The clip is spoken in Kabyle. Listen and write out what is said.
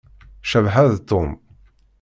Cabḥa d Tom.